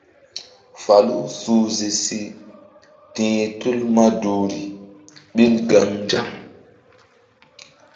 Falu suhze si ti̧h tul maduhri ɓil gaynzaŋ.